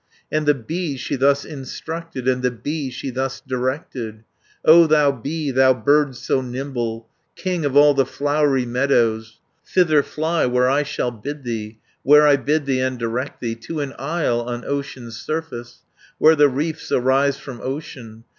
"And the bee she thus instructed, And the bee she thus directed: 'O thou bee, thou bird so nimble, King of all the flowery meadows, Thither fly, where I shall bid thee, Where I bid thee and direct thee, To an isle on ocean's surface, Where the reefs arise from ocean.